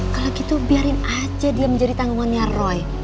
kalau gitu biarin aja dia menjadi tanggungannya roy